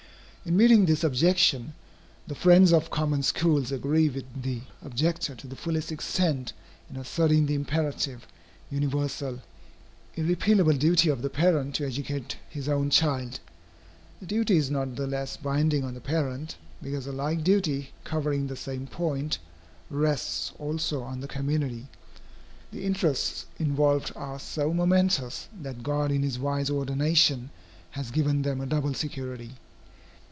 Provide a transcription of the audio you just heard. In meeting this objection, the friends of common schools agree with the objector to the fullest extent in asserting the imperative, universal, irrepealable duty of the parent to educate his own child. The duty is not the less binding on the parent, because a like duty, covering the same point, rests also on the community. The interests involved are so momentous, that God in his wise ordination has given them a double security.